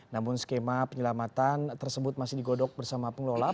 namun skema penyelamatan tersebut masih digodok bersama pengelola